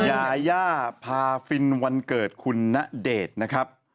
ยาย่าพาฟินวันเกิดคุณณเดชน์นะครับ